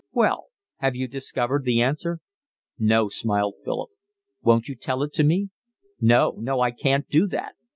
Well, have you discovered the answer?" "No," smiled Philip. "Won't you tell it me?" "No, no, I can't do that.